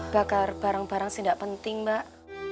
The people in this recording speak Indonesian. bakar barang barang sih enggak penting mbak